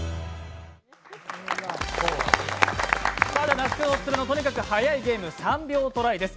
那須君オススメのとにかくはやいゲーム、「３秒トライ！」です。